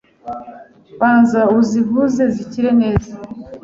banza uzivuze zikire neza